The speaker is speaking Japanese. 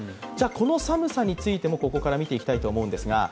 この寒さについても、ここから見ていきます。